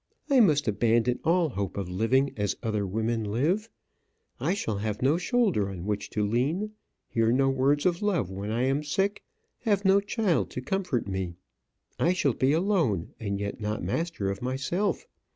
I must abandon all hope of living as other women live. I shall have no shoulder on which to lean, hear no words of love when I am sick, have no child to comfort me. I shall be alone, and yet not master of myself.